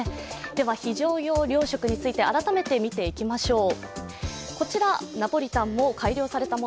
では、非常用糧食について改めて見ていきましょう。